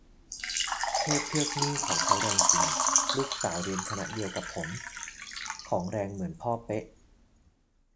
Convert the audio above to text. เทพเทือกนี่ของเขาแรงจริง ลูกสาวเรียนคณะเดียวกับผม ของแรงเหมือนพ่อเป๊ะ